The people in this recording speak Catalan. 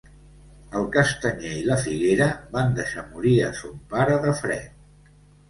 El castanyer i la figuera van deixar morir a son pare de fred.